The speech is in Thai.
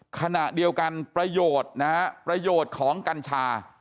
ขณะเดียวกันประโยชน์นะฮะประโยชน์ของกัญชา